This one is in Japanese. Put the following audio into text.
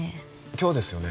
今日ですよね